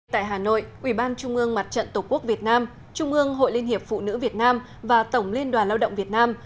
tại hà nội ủy ban trung ương mặt trận tổ quốc việt nam trung ương hội liên hiệp phụ nữ việt nam và tổng liên đoàn lao động việt nam